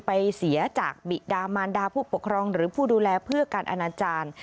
เสียจากบิดามานดาผู้ปกครองหรือผู้ดูแลเพื่อการอนาจารย์